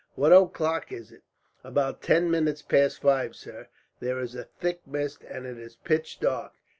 "What o'clock is it?" "About ten minutes past five, sir. There is a thick mist, and it is pitch dark.